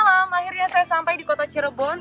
selamat malam akhirnya saya sampai di kota cirebon